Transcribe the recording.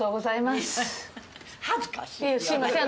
すみません